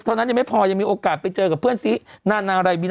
เท่านั้นยังไม่พอยังมีโอกาสไปเจอกับเพื่อนซิ